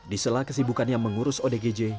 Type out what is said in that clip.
di sela kesibukan yang mengurus odgj